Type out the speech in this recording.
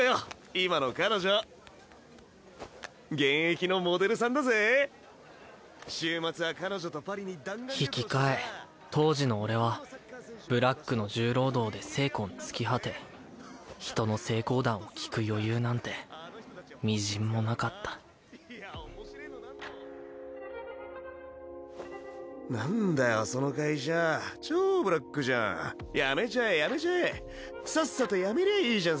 今の彼女タッタッ現役のモデルさんだぜ週末は彼女とパリに引き換え当時の俺はブラックの重労働で精魂尽き果て人の成功談を聞く余裕なんてみじんもなかったいや面白ぇのなんのなんだよその会社超ブラックじゃん辞めちゃえ辞めちゃえさっさと辞めりゃいいじゃん